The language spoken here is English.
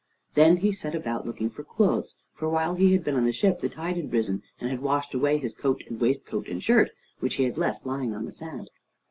Then he set about looking for clothes, for while he had been on the ship, the tide had risen and had washed away his coat and waistcoat and shirt, which he had left lying on the sand.